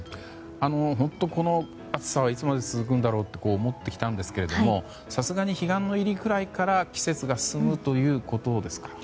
本当にこの暑さはいつまで続くんだろうと思ってきたんですがさすがに彼岸の入りぐらいから季節が進むということですか？